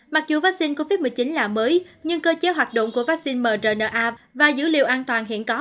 mặc dù vaccine covid một mươi chín là mới nhưng cơ chế hoạt động của vaccine mrna và dữ liệu an toàn hiện có